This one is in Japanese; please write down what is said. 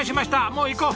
もう行こう！